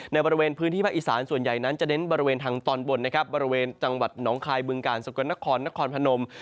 ในบริเวณพื้นที่ภาคอีสานส่วนใหญ่นั้นจะเน้นบริเวณทางตอนบนนะครับบริเวณจังหวัดหนองคายบึงกาลสกลนครนครพนม